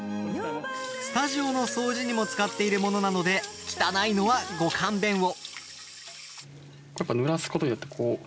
スタジオの掃除にも使っているものなので汚いのは、ご勘弁を。